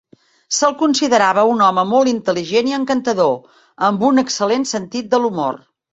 Se'l considerava un home molt intel·ligent i encantador, amb un excel·lent sentit de l'humor.